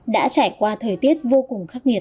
đã trải qua thời tiết vô cùng khắc nghiệt